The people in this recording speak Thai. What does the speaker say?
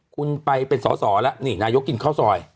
คุณไปเป็นสอสอแล้วนี่นายกกินข้าวซอย